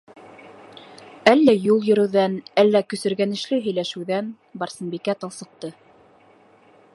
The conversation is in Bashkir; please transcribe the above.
Әллә юл йөрөүҙән, әллә көсөргәнешле һөйләшеүҙән - Барсынбикә талсыҡты.